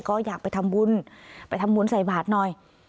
ก็อยากไปทำบุญไปทำบุญใส่บาทหน่อย